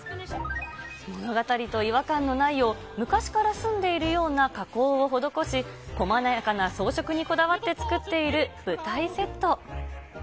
物語と違和感のないような昔から住んでいるような加工を施し、こまやかな装飾にこだわっている舞台セット。